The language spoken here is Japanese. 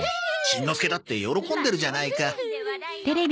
しんのすけだって喜んでるじゃないか。